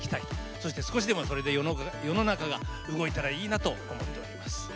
そして、それで世の中が動いたらいいなと思っております。